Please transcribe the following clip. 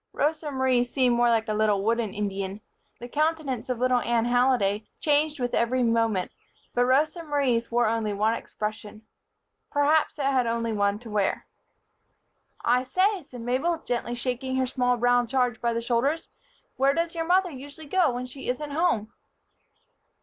Rosa Marie seemed more like a little wooden Indian. The countenance of little Anne Halliday changed with every moment; but Rosa Marie's wore only one expression. Perhaps it had only one to wear. "I say," said Mabel, gently shaking her small brown charge by the shoulders, "where does your mother usually go when she isn't home?"